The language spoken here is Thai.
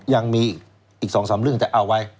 ยังมีอีก๒๓เรื่องจะเอาไว้